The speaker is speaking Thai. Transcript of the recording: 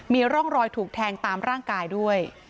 มีร่องรอยถูกแทงตามร่างกายด้วย